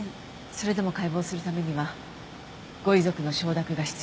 それでも解剖するためにはご遺族の承諾が必要です。